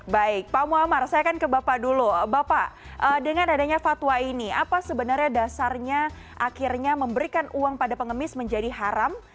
baik pak muamar saya akan ke bapak dulu bapak dengan adanya fatwa ini apa sebenarnya dasarnya akhirnya memberikan uang pada pengemis menjadi haram